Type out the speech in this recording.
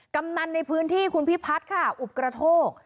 กำนันในพื้นที่คุณพิพัฒน์ค่ะอุบกระโทก